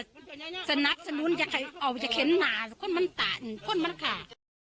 สนับสนุนเอาไว้เข็นหมาคนมันต่างคนมันขา